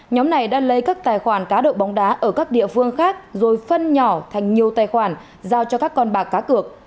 nhóm này đã lấy các tài khoản cá độ bóng đá ở các địa phương khác rồi phân nhỏ thành nhiều tài khoản giao cho các con bạc cá cược